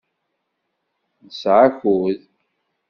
Nesɛa akud.